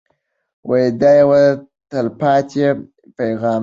دا یو تلپاتې پیغام دی.